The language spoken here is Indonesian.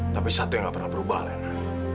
tapi satu yang gak pernah berubah rena